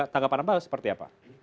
tanggapan apa seperti apa